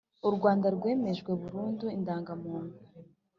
uRwanda rwemejwe burundu indangamuntu